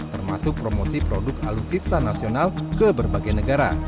termasuk promosi produk alutsista nasional ke berbagai negara